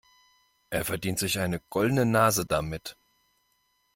Er verdient sich eine goldene Nase damit.